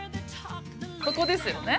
◆ここですよね。